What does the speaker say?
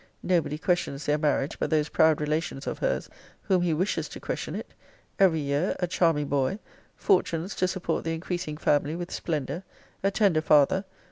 Nobody questions their marriage but those proud relations of her's, whom he wishes to question it. Every year a charming boy. Fortunes to support the increasing family with splendor. A tender father.